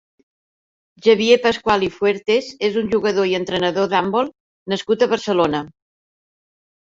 Xavier Pascual i Fuertes és un jugador i entrenador d'handbol nascut a Barcelona.